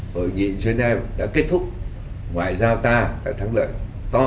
hội nghị geneva đã kết thúc ngoại giao ta đã thắng lợi to